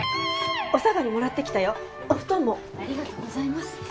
お下がりもらってきたよお布団もありがとうございます